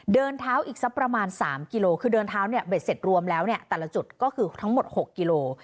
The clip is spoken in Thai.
เดินเท้าอีกสักประมาณ๓กิโลคือเดินเท้าเนี่ยเบ็ดเสร็จรวมแล้วเนี่ยแต่ละจุดก็คือทั้งหมด๖กิโล